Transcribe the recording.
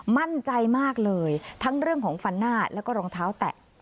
มั่นใจมากเลยทั้งเรื่องของฟันหน้าแล้วก็รองเท้าแตะ